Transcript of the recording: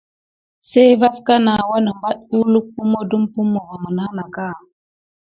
Sey vaskana anebat uwluk pummo dupummo va mena naka.